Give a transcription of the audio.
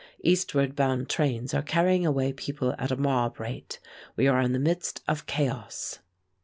Eastward bound trains are carrying away people at a mob rate. We are in the midst of chaos.